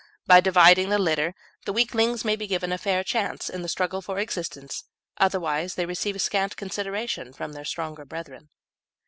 By dividing the litter the weaklings may be given a fair chance in the struggle for existence, otherwise they receive scant consideration from their stronger brethren.